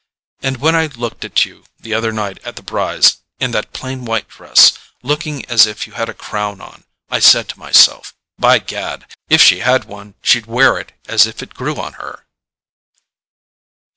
And when I looked at you the other night at the Brys', in that plain white dress, looking as if you had a crown on, I said to myself: 'By gad, if she had one she'd wear it as if it grew on her.